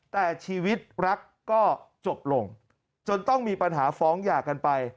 แต่ชีวิตรักก็จบลงจนต้องมีปัญหาฟ้องหย่ากันไป